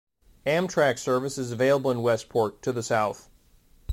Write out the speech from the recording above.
Amtrak service is available in Westport, to the south.